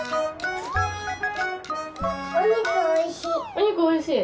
おにくおいしい。